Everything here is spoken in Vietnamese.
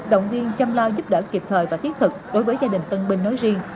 đồng nghiên chăm lo giúp đỡ kịp thời và thiết thực đối với gia đình tân binh nói riêng